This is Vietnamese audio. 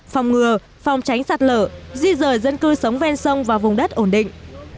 phòng ngừa phòng tránh sạt lở di rời dân cư sống ven sông và vùng đất ổn định